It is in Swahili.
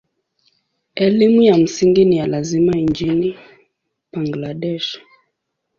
Elimu ya msingi ni ya lazima nchini Bangladesh.